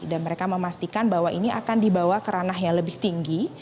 dan mereka memastikan bahwa ini akan dibawa ke ranah yang lebih tinggi